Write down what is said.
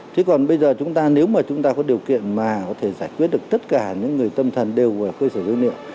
thế còn bây giờ chúng ta nếu mà chúng ta có điều kiện mà có thể giải quyết được tất cả những người tâm thần đều vào cơ sở dữ liệu